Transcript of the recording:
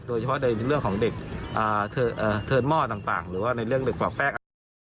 โดยเฉพาะในเรื่องของเด็กเทิดหม้อต่างหรือว่าในเรื่องเด็กปลอกแป๊ก